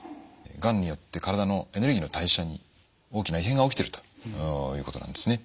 がんによって体のエネルギーの代謝に大きな異変が起きてるということなんですね。